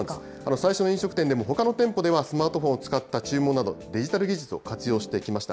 最初の飲食店でも、ほかの店舗ではスマートフォンを使った注文など、デジタル技術を活用してきました。